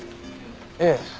ええ。